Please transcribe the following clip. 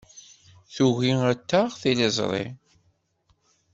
Tugi ad taɣ tliẓri.